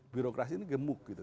birokrasi ini gemuk gitu